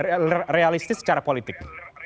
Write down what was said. pertimbangan realistis secara politik